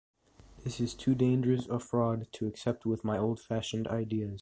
This is too dangerous a fraud to accept with my old-fashioned ideas.